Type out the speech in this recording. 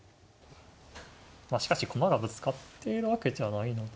まあしかし駒がぶつかっているわけじゃないので。